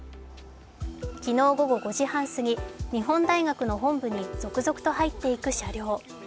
昨日午後５時半すぎ、日本大学の本部に続々と入っていく車両。